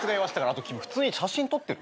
あと君普通に写真撮ってる？